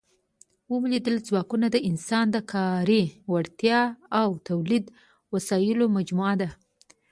مؤلده ځواکونه د انسان د کاري وړتیا او تولیدي وسایلو مجموعه ده.